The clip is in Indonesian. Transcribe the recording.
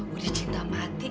udah cinta mati